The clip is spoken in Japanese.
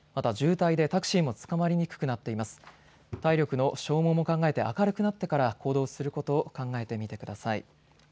体力の消耗も考えて明るくなってから行動することを考えてみてください。